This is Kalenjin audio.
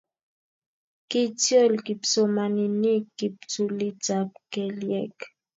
kiityol kipsomaninik kiptulitab kelyek